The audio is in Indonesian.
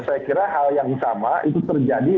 saya kira hal yang sama itu terjadi